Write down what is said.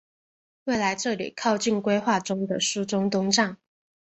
未来这里靠近规划中的苏州东站。